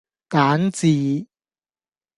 蛋治